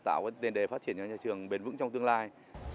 tạo đến đề phát triển cho trường bền vững trong tương lai